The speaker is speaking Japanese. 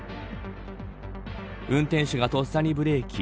運転手がとっさにブレーキ。